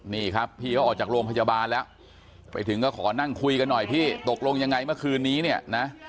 นี่ครับพี่เขาออกจากโรงพยาบาลแล้วไปถึงก็ขอนั่งคุยกันหน่อยพี่ตกลงยังไงเมื่อคืนนี้เนี่ยนะ